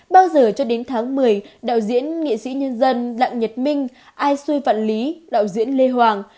bao giờ cho đến tháng một mươi đạo diễn nghị sĩ nhân dân lạng nhật minh ai xuê vạn lý đạo diễn lê hoàng